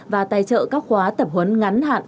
và tài trợ các khóa tập huấn ngắn hạn